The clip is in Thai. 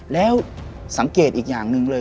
แล้วสังเกตอีกอย่างหนึ่งเลย